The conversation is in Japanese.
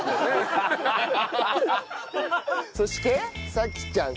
そして早葵ちゃん。